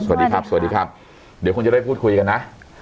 สวัสดีครับสวัสดีครับเดี๋ยวคงจะได้พูดคุยกันนะ